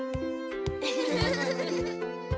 フフフフ。